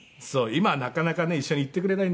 今はなかなかね一緒に行ってくれないんだこれが。